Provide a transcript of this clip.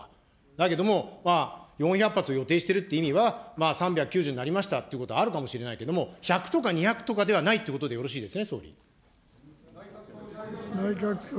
だけども、まあ、４００発を予定しているという意味は、３９０になりましたということはあるかもしれないけれども、１００とか２００とかではないということでよろしいですね、総理。